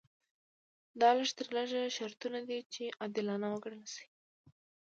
دا لږ تر لږه شرطونه دي چې عادلانه وګڼل شي.